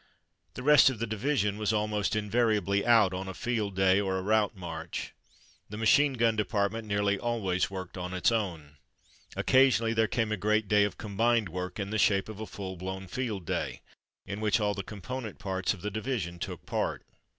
The rest of the division was almost invari ably out on a field day or a route march. The machine gun department nearly always worked on its own. Occasionally there came a great day of combined work, in the shape of a full blown field day, in which all 46 From Mud to Mufti the component parts of the division took part.